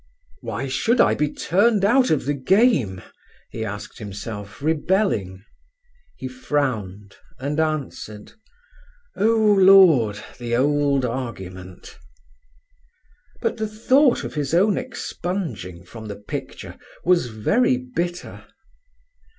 "Why should I be turned out of the game?" he asked himself, rebelling. He frowned, and answered: "Oh, Lord!—the old argument!" But the thought of his own expunging from the picture was very bitter.